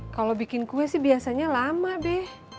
kalo bikin kue sih biasanya lama be